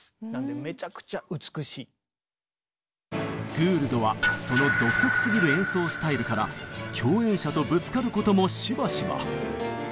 グールドはその独特すぎる演奏スタイルから共演者とぶつかることもしばしば。